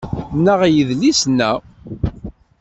Nneɣ yedlisen-a